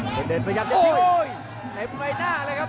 โอ้โหเอ่ยเอมไม้หน้าเลยครับ